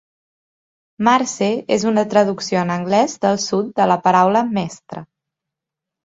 "Marse" és una traducció en anglès del sud de la paraula "mestre".